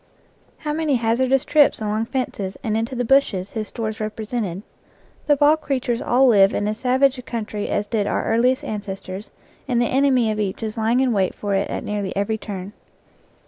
How many hazardous trips along fences and into the bushes his stores repre sented ! The wild creatures all live in as savage a country as did our earliest ancestors, and the enemy of each is lying in wait for it at nearly every turn.